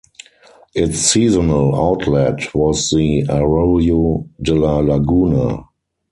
Its seasonal outlet was the Arroyo de la Laguna.